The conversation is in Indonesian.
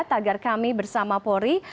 tagar kami bersama pori